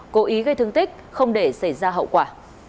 cố ý gây thương tích không để xảy ra hậu quả